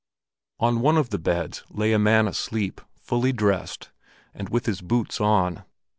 On one of the beds lay a man asleep, fully dressed, and with his boots on.